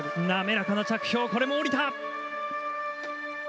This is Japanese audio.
滑らかな着氷、これも降りた。